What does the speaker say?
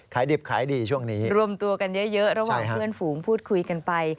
ดิบขายดีช่วงนี้รวมตัวกันเยอะระหว่างเพื่อนฝูงพูดคุยกันไป